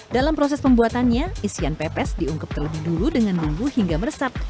dalam proses pembuatannya isian pepes diungkep terlebih dulu dengan bumbu hingga meresap